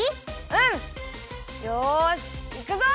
よしいくぞ！